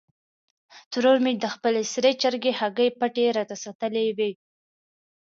ترور مې د خپلې سرې چرګې هګۍ پټې راته ساتلې وې.